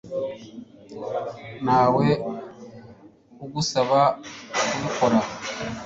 ntawe ugusaba kubikora